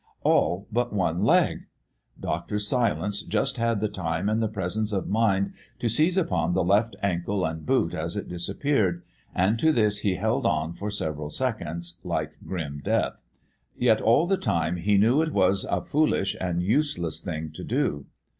All but one leg! Dr. Silence just had the time and the presence of mind to seize upon the left ankle and boot as it disappeared, and to this he held on for several seconds like grim death. Yet all the time he knew it was a foolish and useless thing to do.